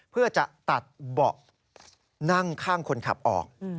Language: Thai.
เพื่อจะตัดเบาะนั่งข้างคนขับออก